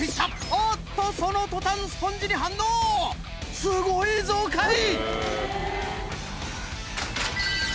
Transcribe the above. おっとその途端スポンジに反応すごいぞカイ！